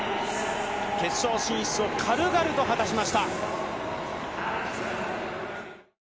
決勝進出を軽々と果たしました。